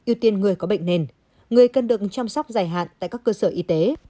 ưu tiên người có bệnh nền người cần được chăm sóc dài hạn tại các cơ sở y tế